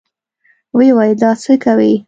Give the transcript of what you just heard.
ويې ويل دا څه کوې.